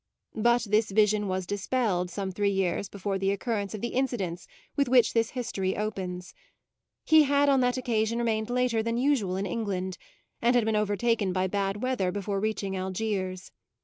But this vision was dispelled some three years before the occurrence of the incidents with which this history opens: he had on that occasion remained later than usual in England and had been overtaken by bad weather before reaching Algiers.